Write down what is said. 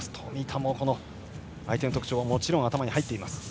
冨田も相手の特徴はもちろん頭に入っています。